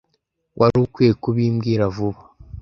Wari ukwiye kubimbwira vuba.